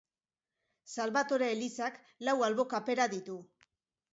Salbatore elizak lau albo-kapera ditu.